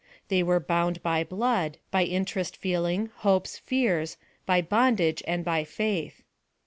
They were bound by blood, by interest feeling, hopes, fears, by bondage and by faith.